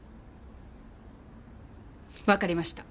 わかりました。